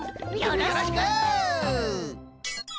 よろしく！